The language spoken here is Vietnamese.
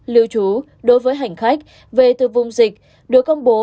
lưu trú đối với hành khách về từ vùng dịch được công bố